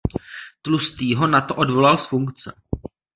Tlustý ho nato odvolal z funkce.